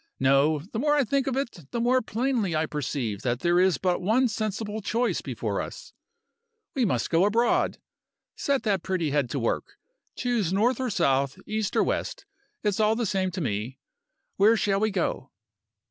No! the more I think of it, the more plainly I perceive that there is but one sensible choice before us: we must go abroad. Set that pretty head to work; choose north or south, east or west; it's all the same to me. Where shall we go?"